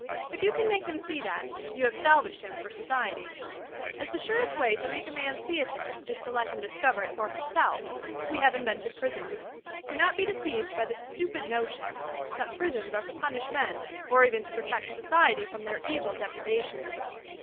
If you can make him see that, you have salvaged him for society. As the surest way to make a man see a thing is to let him discover it for himself we have invented prisons. Do not be deceived by the stupid notion that prisons are to punish men or even to protect society from their evil depredations.